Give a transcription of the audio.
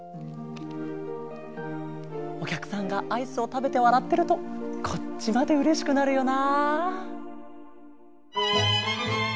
おきゃくさんがアイスをたべてわらってるとこっちまでうれしくなるよな。